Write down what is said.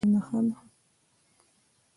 افغانستان کې نفت د چاپېریال د تغیر نښه ده.